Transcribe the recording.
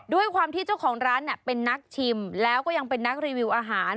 ด้วยความที่เจ้าของร้านเป็นนักชิมแล้วก็ยังเป็นนักรีวิวอาหาร